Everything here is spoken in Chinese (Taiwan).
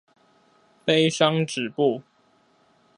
悲傷止步